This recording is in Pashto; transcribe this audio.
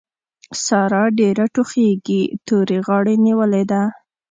سارا ډېره ټوخېږي؛ تورې غاړې نيولې ده.